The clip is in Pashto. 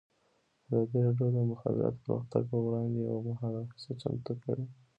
ازادي راډیو د د مخابراتو پرمختګ پر وړاندې یوه مباحثه چمتو کړې.